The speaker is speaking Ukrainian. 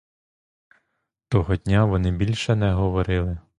Того дня вони більше не говорили.